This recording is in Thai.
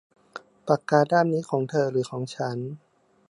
ปากกาด้ามนี้ของเธอหรือของฉัน